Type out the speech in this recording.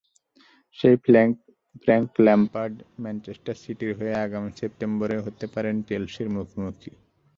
সেই Frank Lampard Manchester সিটির হয়ে আগামী সেপ্টেম্বরেই হতে পারেন চেলসির মুখোমুখি।